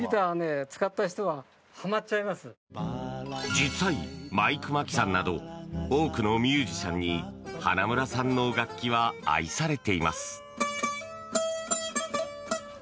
実際、マイク眞木さんなど多くのミュージシャンに花村さんの楽器は愛されています。